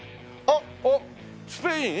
あっスペイン？